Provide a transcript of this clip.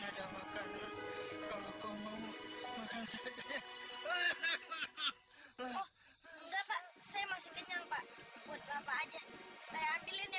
ada makanan kalau kau mau makanan saya masih kenyang pak buat bapak aja saya ambil ya pak